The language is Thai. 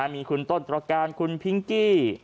มีคุณต้นตรการคุณพิงกี้